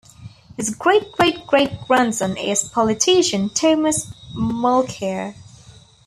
His great-great-great-grandson is politician Thomas Mulcair.